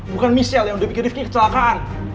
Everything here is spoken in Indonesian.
bukan michelle yang udah bikin rifqi kecelakaan